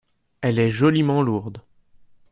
Elle est joliment lourde.